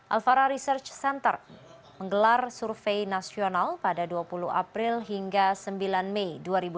alvara research center menggelar survei nasional pada dua puluh april hingga sembilan mei dua ribu dua puluh